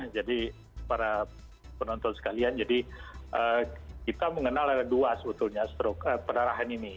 jadi para penonton sekalian kita mengenal ada dua sebetulnya pendarahan ini